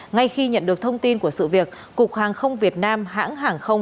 ngay khi nhận được thông tin của sự việc cục hàng không việt nam hãng hàng không